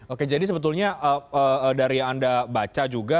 oke jadi sebetulnya dari yang anda baca juga